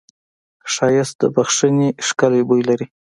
ښایست د بښنې ښکلی بوی لري